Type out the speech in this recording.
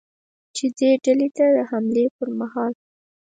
چې دې ډلې ته د حملې پرمهال ل